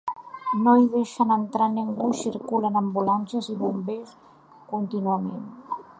No hi deixen entrar ningú i circulen ambulàncies i bombers contínuament.